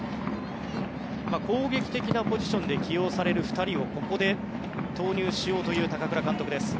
攻撃的なポジションで起用される２人をここで投入しようという高倉監督です。